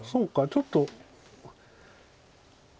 ちょっと。